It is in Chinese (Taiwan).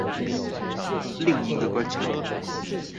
另一個觀察